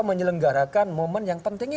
menyelenggarakan momen yang penting itu